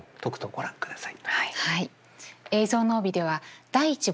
ご覧ください。